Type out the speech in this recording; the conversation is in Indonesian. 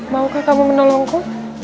maukah kamu menolongku